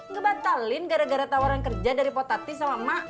ngebatalin gara gara tawaran kerja dari potati sama emak